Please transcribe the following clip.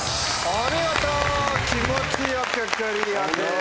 お見事気持ち良くクリアです。